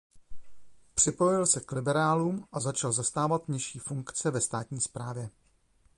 Připojil se k liberálům a začal zastávat nižší funkce ve státní správě.